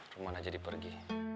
rumana jadi pergi